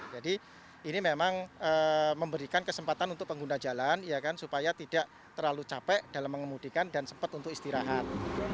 jadi ini memang memberikan kesempatan untuk pengguna jalan supaya tidak terlalu capek dalam mengemudikan dan sempat untuk istirahat